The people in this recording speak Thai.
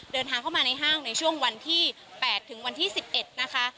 เดินทางเข้ามาในห้างในช่วงวันที่๘ถึงวันที่๑๑นะคะ